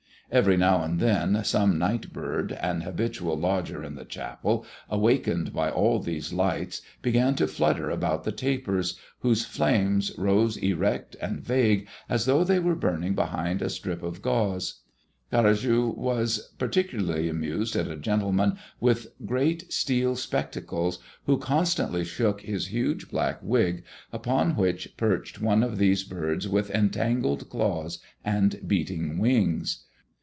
Every now and then, some night bird, an habitual lodger in the chapel, awakened by all these lights, began to flutter about the tapers, whose flames rose erect and vague as though they were burning behind a strip of gauze. Garrigue was particularly amused at a gentleman with great steel spectacles, who constantly shook his huge black wig, upon which perched one of these birds with entangled claws and beating wings.